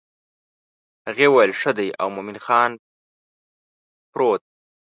هغې وویل ښه دی او مومن خان پر ووت.